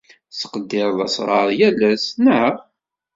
Tettqeddireḍ asɣar yal ass, naɣ?